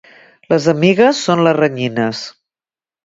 Les amigues són les renyines.